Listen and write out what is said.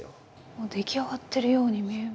もう出来上がってるように見える。